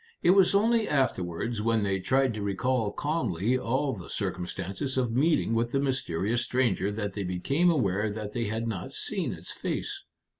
It was only afterwards when they tried to recall calmly all the circumstances of meeting with the mysterious stranger that they became aware that they had not seen its face.